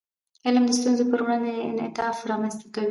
علم د ستونزو په وړاندې انعطاف رامنځته کوي.